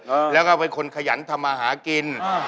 เออแล้วก็เป็นคนขยันทำมาหากินอ่า